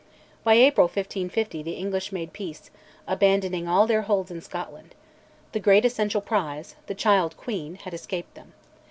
By April 1550 the English made peace, abandoning all their holds in Scotland. The great essential prize, the child queen, had escaped them.